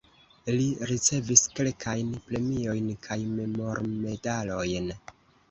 Li ricevis kelkajn premiojn kaj memormedalojn.